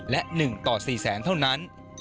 และ๑ต่อ๔๐๐๐๐๐เท่านั้น